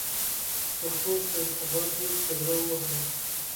پر ټول فیض اباد یې دوره ووهله.